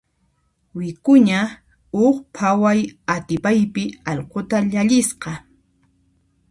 Wik'uña huk phaway atipaypi allquta llallisqa.